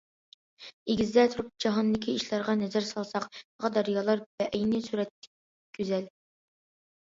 ئېگىزدە تۇرۇپ جاھاندىكى ئىشلارغا نەزەر سالساق، تاغ- دەريالار بەئەينى سۈرەتتەك گۈزەل.